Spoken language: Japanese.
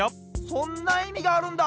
そんないみがあるんだ！